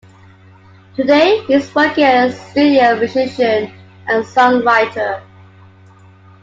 Today he's working as a studio musician and songwriter.